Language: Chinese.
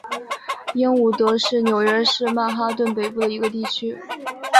英伍德是纽约市曼哈顿北部的一个地区。